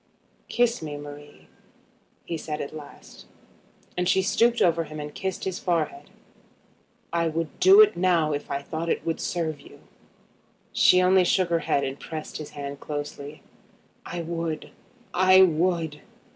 "Kiss me, Marie," he said at last; and she stooped over him and kissed his forehead. "I would do it now if I thought it would serve you." She only shook her head and pressed his hand closely. "I would; I would.